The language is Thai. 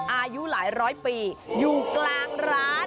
อายุหลายร้อยปีอยู่กลางร้าน